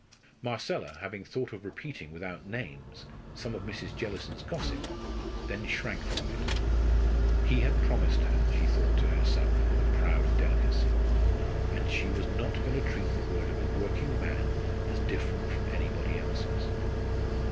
Marcella, having thought of repeating, without names, some of Mrs. Jellison's gossip, then shrank from it. He had promised her, she thought to herself with a proud delicacy; and she was not going to treat the word of a working man as different from anybody else's.